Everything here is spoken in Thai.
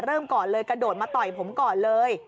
เริ่มก่อนเลยกระโดดมาต่อยผมก่อนเลย